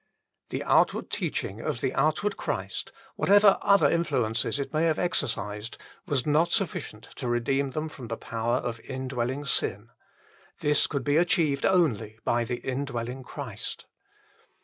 1 The outward teaching of the outward Christ, whatever other influences it may have exercised, was not sufficient to redeem them from the power of indwelling sin ; this could be achieved only by the indwelling Christ.